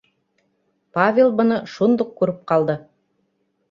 Павел быны шундуҡ күреп ҡалды: